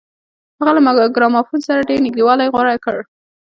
هغه له ګرامافون سره ډېر نږدېوالی غوره کړ